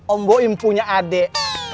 om boim punya adik